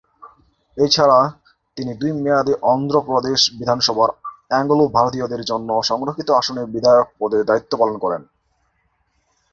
এছাড়া, তিনি দুই মেয়াদে অন্ধ্র প্রদেশ বিধানসভার অ্যাংলো-ভারতীয়দের জন্য সংরক্ষিত আসনের বিধায়ক পদে দায়িত্ব পালন করেন।